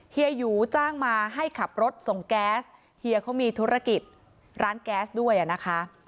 เยหยูจ้างมาให้ขับรถส่งแก๊สเฮียเขามีธุรกิจร้านแก๊สด้วยอ่ะนะคะ